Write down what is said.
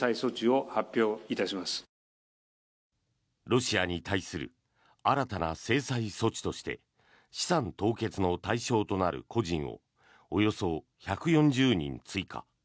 ロシアに対する新たな制裁措置として資産凍結の対象となる個人をおよそ１４０人追加。